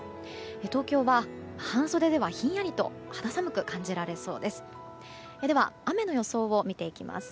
東京は半袖では、ひんやりと肌寒く感じられそうです。